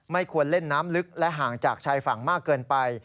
ควรเล่นน้ำลึกและห่างจากชายฝั่งมากเกินไป